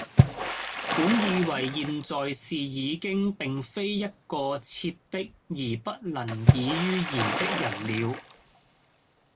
本以爲現在是已經並非一個切迫而不能已于言的人了，